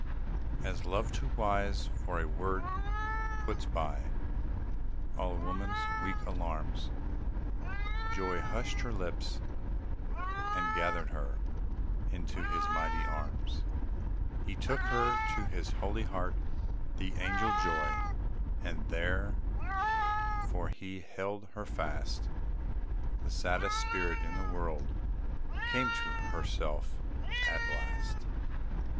As love, too wise for a word, puts by All a woman's weak alarms, Joy hushed her lips, and gathered her Into his mighty arms. He took her to his holy heart, And there for he held her fast The saddest spirit in the world, Came to herself at last.